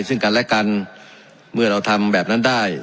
ซึ่งกันและกันเมื่อเราทำแบบนั้นได้